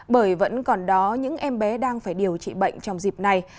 bởi vẫn còn đó những em bé đang phải điều trị bệnh trong dịp này